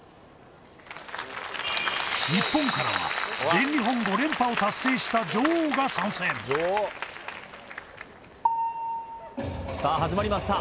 日本からは全日本５連覇を達成した女王が参戦さあ始まりました